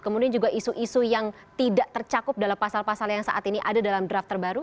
kemudian juga isu isu yang tidak tercakup dalam pasal pasal yang saat ini ada dalam draft terbaru